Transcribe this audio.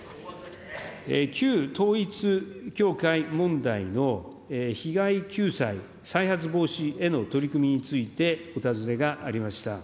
旧統一教会問題の被害救済、再発防止への取り組みについて、お尋ねがありました。